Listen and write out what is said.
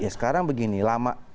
ya sekarang begini lama